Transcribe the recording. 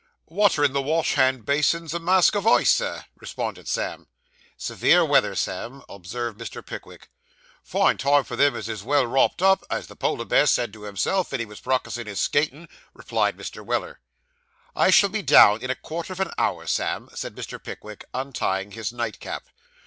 'Water in the wash hand basin's a mask o' ice, Sir,' responded Sam. 'Severe weather, Sam,' observed Mr. Pickwick. 'Fine time for them as is well wropped up, as the Polar bear said to himself, ven he was practising his skating,' replied Mr. Weller. 'I shall be down in a quarter of an hour, Sam,' said Mr. Pickwick, untying his nightcap.